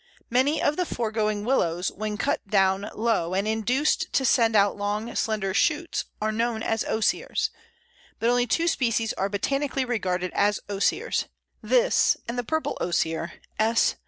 Many of the foregoing Willows, when cut down low and induced to send out long, slender shoots, are known as Osiers, but only two species are botanically regarded as Osiers this and the Purple Osier (_S.